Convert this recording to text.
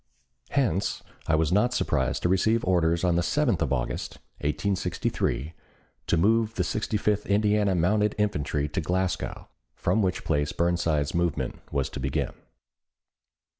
Hence I was not surprised to receive orders on the 7th of August, 1863, to move the Sixty fifth Indiana Mounted Infantry to Glasgow, from which place Burnside's movement was to begin.